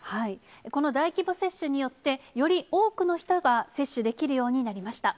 この大規模接種によって、より多くの人が接種できるようになりました。